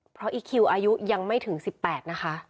เพราะอีคิวอายุยังไม่ถึง๑๘นะคะ